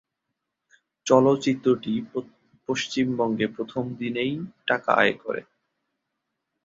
চলচ্চিত্রটি পশ্চিমবঙ্গে প্রথম দিনেই টাকা আয় করে।